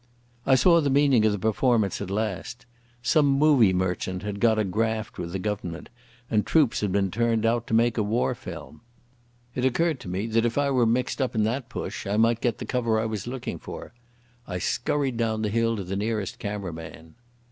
I saw the meaning of the performance at last. Some movie merchant had got a graft with the Government, and troops had been turned out to make a war film. It occurred to me that if I were mixed up in that push I might get the cover I was looking for. I scurried down the hill to the nearest camera man.